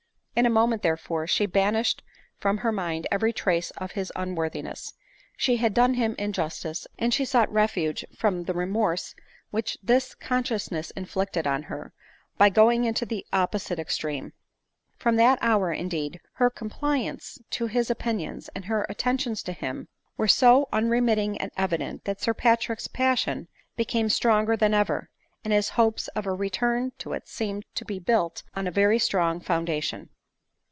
In a moment, therefore, she banished from her mind every trace of his unworthiness. She had done him in justice, and she sought refuge from the remorse which this consciousnes&ffiflicted on her, by going into the op posite extreme. From that hour, indeed* her complai sance to his opinions, and her attentions to him, were 7 70 ADELINE MOWBRAY. so unremitting and evident, that Sir Patrick's passioa became stronger than ever, and his hopes of a return to it seemed to be built on a very strong foundation.